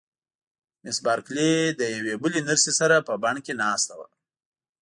مس بارکلي له یوې بلې نرسې سره په بڼ کې ناسته وه.